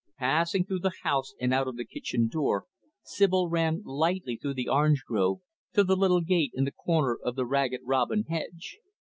Passing through the house, and out of the kitchen door, Sibyl ran, lightly, through the orange grove, to the little gate in the corner of the Ragged Robin hedge.